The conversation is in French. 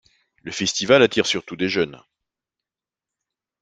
Le festival attire surtout des jeunes.